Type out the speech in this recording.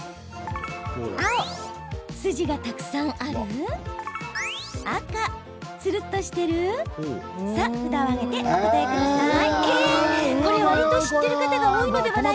青・筋がたくさんある赤・つるっとしているさあ、札を上げてお答えください。